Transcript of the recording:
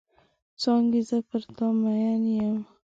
څانګې زه پر تا مئن یم.